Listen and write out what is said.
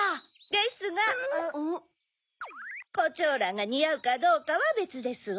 ですがコチョウランがにあうかどうかはべつですわ。